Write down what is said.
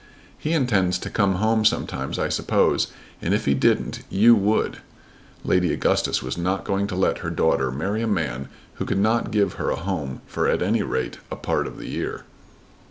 "He intends to come home sometimes, I suppose, and, if he didn't, you would." Lady Augustus was not going to let her daughter marry a man who could not give her a home for at any rate a part of the year.